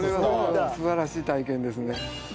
素晴らしい体験ですね。